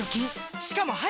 しかも速く乾く！